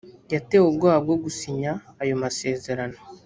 yatewe ubwoba bwo gusinya ayo masezerano